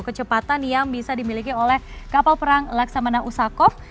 kecepatan yang bisa dimiliki oleh kapal perang laksamana usakov